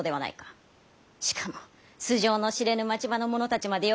しかも素性の知れぬ町場の者たちまで呼び入れ。